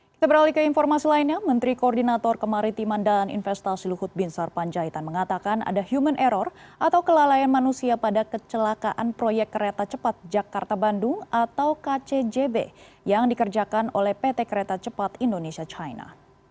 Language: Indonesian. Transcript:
kita beralih ke informasi lainnya menteri koordinator kemaritiman dan investasi luhut binsar panjaitan mengatakan ada human error atau kelalaian manusia pada kecelakaan proyek kereta cepat jakarta bandung atau kcjb yang dikerjakan oleh pt kereta cepat indonesia china